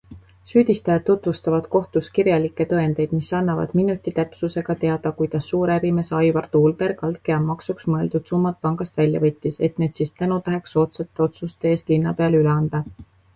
Süüdistajad tutvustavad kohtus kirjalikke tõendeid, mis annavad minutitäpsusega teada, kuidas suurärimees Aivar Tuulberg altkäemaksuks mõeldud summad pangast välja võttis, et need siis tänutäheks soodsate otsuste eest linnapeale üle anda.